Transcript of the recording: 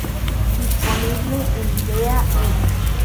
Disponible en Vea, ed.